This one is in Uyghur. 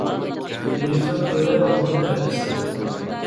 ئېلىخان تۆرە ۋە ئۇنىڭ قەبرىسى